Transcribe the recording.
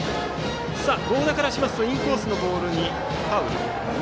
合田からしますとインコースのボールにファウル。